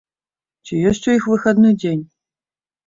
Ці ёсць у іх выхадны дзень?